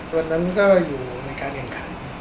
วันนั้นก็อยู่ในการแข่งขัน